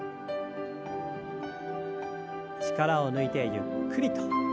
力を抜いてゆっくりと。